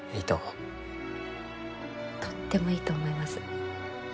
とってもいいと思います。